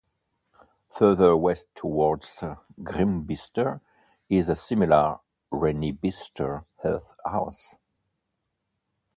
Further west towards Grimbister is the similar Rennibister Earth House.